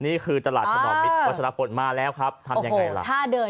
นี่คือตลาดอ่าววัฒนภนม่าแล้วครับทำยังไงโอ้โหท่าเดิน